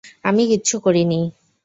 আমি কিচ্ছু করিনি!